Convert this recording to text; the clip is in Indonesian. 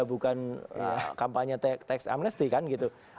bukan kampanye tax amnesty kan gitu